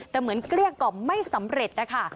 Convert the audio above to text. แต่เหมือนเกลี้ยกล่อมไม่สำเร็จนะคะ